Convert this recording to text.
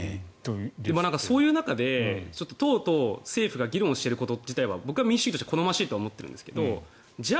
そういう中で党と政府が議論していることは僕は民主主義として好ましいとは思っているんですけどじゃあ